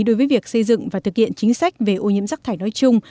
đối với việc xây dựng và thực hiện chính sách về ô nhiễm rác thải nói chung